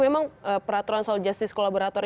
memang peraturan soal justice kolaborator